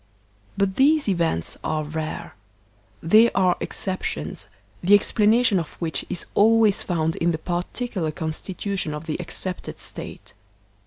But these events are rare; they are exceptions, the ex planation of which is always found in the particular consti tution of the excepted State.